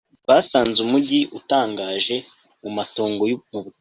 basanze umujyi utangaje mu matongo mu butayu